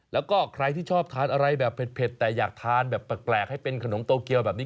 แล้วก็ใครที่ชอบทานอะไรแบบเผ็ดแต่อยากทานแบบแปลกให้เป็นขนมโตเกียวแบบนี้